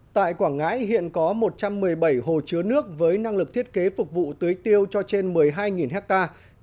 tại quảng ngãi hiện có một trăm một mươi bảy hồ chứa nước với năng lực thiết kế phục vụ tưới tiêu cho trên một mươi hai hectare